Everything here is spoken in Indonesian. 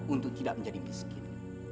untuk tidak menjadi miskin